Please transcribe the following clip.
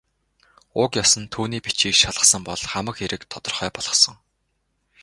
Уг ёс нь түүний бичгийг шалгасан бол хамаг хэрэг тодорхой болохсон.